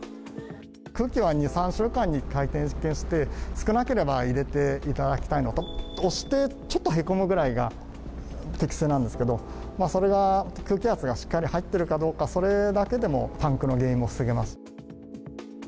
空気は２、３週間に１回点検して、少なければ入れていただきたいのと、押してちょっとへこむぐらいが適正なんですけど、それが空気圧がしっかり入ってるかどうか、それだけでもパンクの原因は防げます。